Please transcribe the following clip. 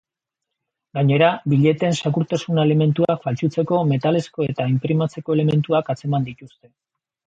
Gainera, billeteen segurtasun elementuak faltsutzeko metalezko eta inprimatzeko elementuak atzeman dituzte.